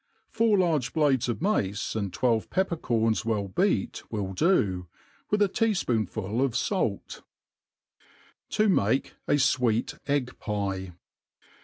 . Four large blades of mace, and twelve pepper^corns well beat will do, with a tea fpoonful of. fait* ». To make a fweet Egg'Pie.